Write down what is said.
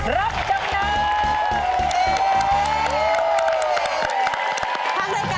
รับจำนำ